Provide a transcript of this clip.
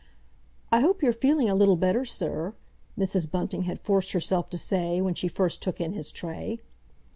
"I hope you're feeling a little better, sir," Mrs. Bunting had forced herself to say when she first took in his tray.